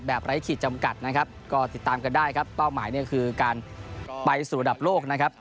ไร้ขีดจำกัดนะครับก็ติดตามกันได้ครับเป้าหมายเนี่ยคือการไปสู่ระดับโลกนะครับ